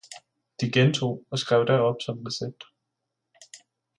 de gjentoge og skrev da op som Recept.